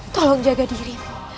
tolong jaga dirimu